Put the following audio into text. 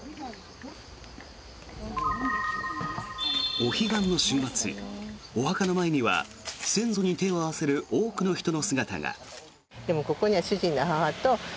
お彼岸の週末お墓の前には先祖に手を合わせる多くの人の姿が。